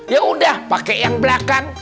ya udah pakai yang belakang